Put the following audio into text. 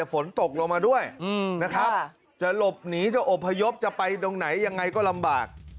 ฝนตกลงมาด้วยนะครับจะหลบหนีจะอบพยพจะไปตรงไหนยังไงก็ลำบาก